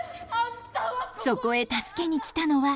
そこへ助けに来たのは。